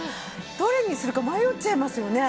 どれにするか迷っちゃいますよね。